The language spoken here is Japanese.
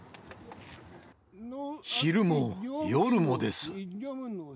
昼も夜もです。